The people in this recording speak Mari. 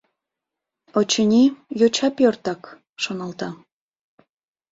«Очыни, йоча пӧртак», — шоналта.